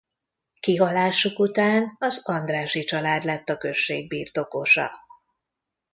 Kihalásuk után az Andrássy család lett a község birtokosa.